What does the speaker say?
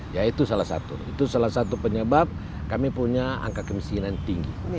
ya itu salah satu itu salah satu penyebab kami punya angka kemiskinan tinggi